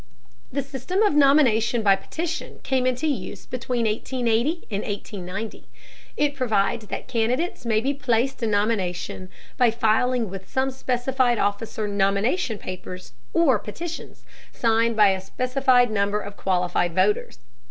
The system of nomination by petition came into use between 1880 and 1890. It provides that candidates may be placed in nomination by filing with some specified officer nomination papers, or petitions, signed by a specified number of qualified voters.